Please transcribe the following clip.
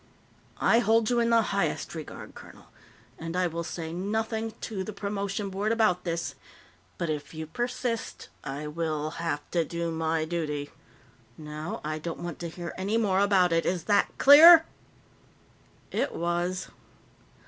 I hold you in the highest regard, colonel, and I will say nothing to the Promotion Board about this, but if you persist I will have to do my duty. Now, I don't want to hear any more about it. Is that clear?" It was.